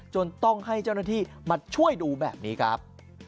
จนต้องให้เจ้าหน้าที่มาช่วยดูแบบนี้ครับ